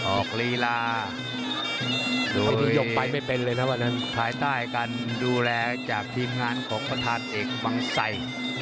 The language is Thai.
ออกลีลาด้วยภายใต้การดูแลจากทีมงานของประธานเอกวังไส้